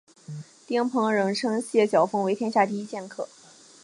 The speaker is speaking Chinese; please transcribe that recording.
丁鹏仍称谢晓峰为天下第一剑客。